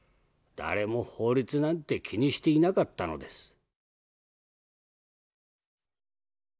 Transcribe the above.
誰も法律なんて気にしていなかったのです」。